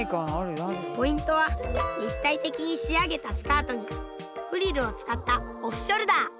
ポイントは立体的に仕上げたスカートにフリルを使ったオフショルダー。